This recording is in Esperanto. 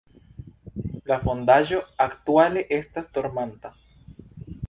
La fondaĵo aktuale estas dormanta.